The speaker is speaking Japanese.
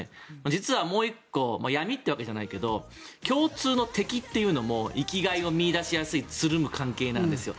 実はもう１個闇というわけじゃないけど共通の敵というのも生きがいを見いだしやすいつるむ関係なんですよ。